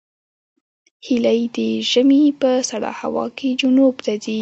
هیلۍ د ژمي په سړه هوا کې جنوب ته ځي